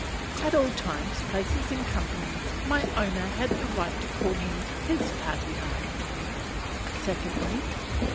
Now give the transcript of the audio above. At all times, places, and companies, my owner had the right to call me "his pakeha." Secondly.